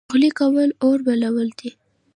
چغلي کول اور بلول دي